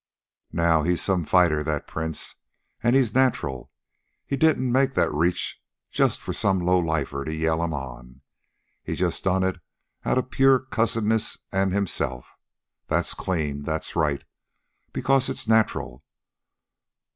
"Now he's some fighter, that Prince. An' he's natural. He didn't make that reach just for some low lifer to yell'm on. He just done it outa pure cussedness and himself. That's clean. That's right. Because it's natural.